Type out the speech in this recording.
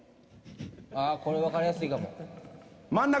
これ分かりやすいかも。